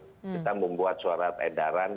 kita membuat surat edaran